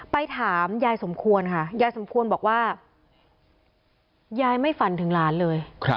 ไปถามยายสมควรค่ะยายสมควรบอกว่ายายไม่ฝันถึงหลานเลย